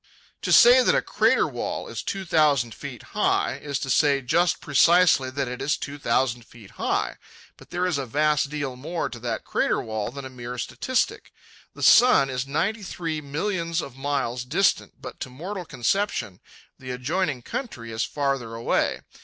To say that a crater wall is two thousand feet high is to say just precisely that it is two thousand feet high; but there is a vast deal more to that crater wall than a mere statistic. The sun is ninety three millions of miles distant, but to mortal conception the adjoining county is farther away.